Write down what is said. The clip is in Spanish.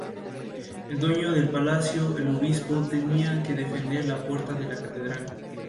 El dueño del palacio, el obispo, tenía que defender la puerta de la catedral.